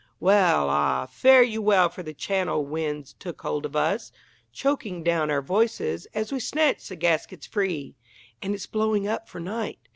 Well, ah, fare you well for the Channel wind's took hold of us, Choking down our voices as we snatch the gaskets free, And its blowing up for night.